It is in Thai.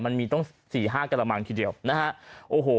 มันมีต้อง๔๕กรมังทีเดียวนะฮะ